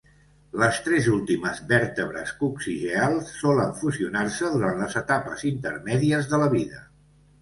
Les tres últimes vèrtebres coccigeals solen fusionar-se durant les etapes intermèdies de la vida.